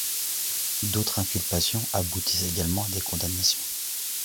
D'autres inculpations aboutissent également à des condamnations.